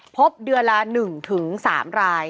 พบเดือนละ๑๓ราย